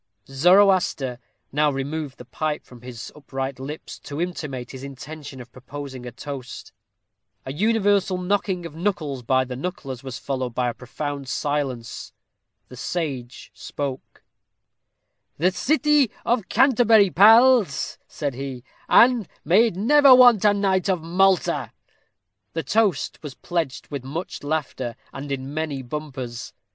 _ Zoroaster now removed the pipe from his upright lips to intimate his intention of proposing a toast. A universal knocking of knuckles by the knucklers was followed by profound silence. The sage spoke: "The city of Canterbury, pals," said he; "and may it never want a knight of Malta." The toast was pledged with much laughter, and in many bumpers.